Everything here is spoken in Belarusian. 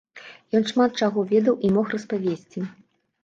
Ён шмат чаго ведаў і мог распавесці.